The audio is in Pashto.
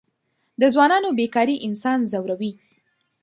د ځوانانو بېکاري انسان ځوروي.